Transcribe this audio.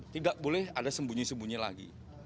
tidak boleh ada sembunyi sembunyi lagi